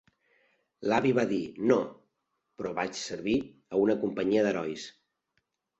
L'avi va dir: "No... però vaig servir a una companyia d'herois".